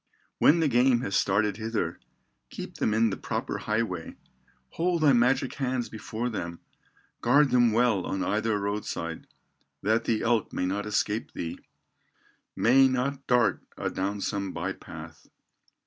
"When the game has started hither, Keep them in the proper highway, Hold thy magic hands before them, Guard them well on either road side, That the elk may not escape thee, May not dart adown some by path.